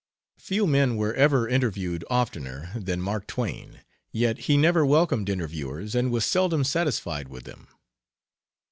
Few men were ever interviewed oftener than Mark Twain, yet he never welcomed interviewers and was seldom satisfied with them.